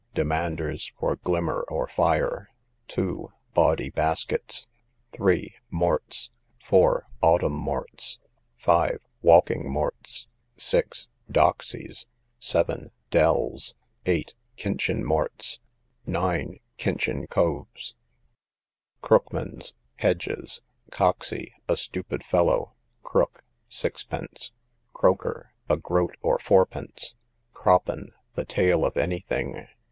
Demanders for Glimmer or Fire. 2. Bawdy Baskets. 3. Morts. 4. Autumn Morts. 5. Walking Morts. 6. Doxies. 7. Delles. 8. Kinchin Morts. 9. Kinchin Coves. Crookmans, hedges. Coxy, a stupid fellow. Crook, sixpence. Croker, a groat, or fourpence. Croppen, the tail of any thing.